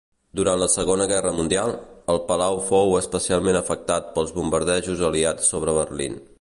Durant la Segona Guerra Mundial, el Palau fou especialment afectat pels bombardejos aliats sobre Berlín.